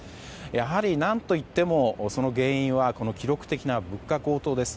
やはり何といっても、その原因は記録的な物価高騰です。